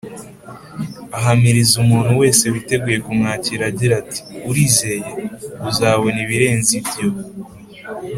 , ahamiriza umuntu wese witeguye kumwakira agira ati, “Urizeye? Uzabona ibirenze ibyo.”